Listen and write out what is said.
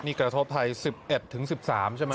นี่กระทบไทย๑๑๑๑๓ใช่ไหม